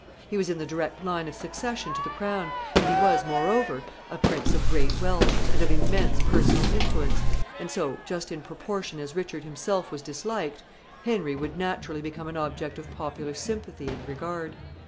He was in the direct line of succession to the crown, and he was, moreover, a prince of great wealth, and of immense personal influence, and so, just in proportion as Richard himself was disliked, Henry would naturally become an object of popular sympathy and regard.